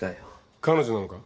彼女なのか？